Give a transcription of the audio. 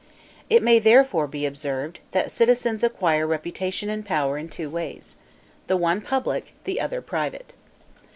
It may therefore be observed, that citizens acquire reputation and power in two ways; the one public, the other private.